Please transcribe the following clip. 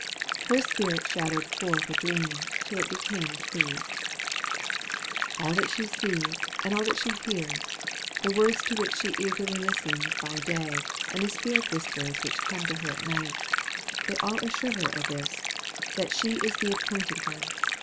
"Her spirit shadowed forth a dream, till it became a creed." All that she sees and all that she hears the words to which she eagerly listens by day, and the spirit whispers which come to her at night, they all assure her of this, that she is the appointed one.